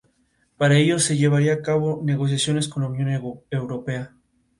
Luego de tres meses, Avellaneda decidió volver para morir en su patria.